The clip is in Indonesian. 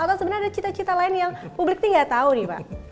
atau sebenarnya ada cita cita lain yang publik ini nggak tahu nih pak